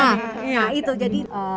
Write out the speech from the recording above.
nah itu jadi tugas pokok dari kita